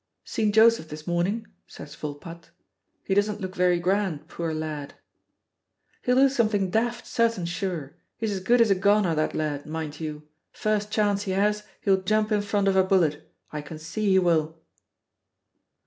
"Seen Joseph this morning?" says Volpatte. "He doesn't look very grand, poor lad." "He'll do something daft, certain sure. He's as good as a goner, that lad, mind you. First chance he has he'll jump in front of a bullet. I can see he will."